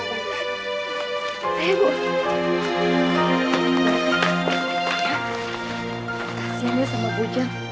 kasiannya sama bu ujang